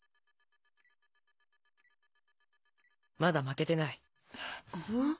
まだ負けてない。